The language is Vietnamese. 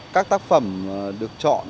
các tác phẩm được chọn